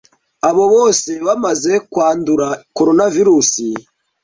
abo bose bamaze kwandura coronavirus